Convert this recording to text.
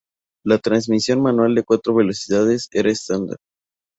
La transmisión manual de cuatro velocidades era estándar.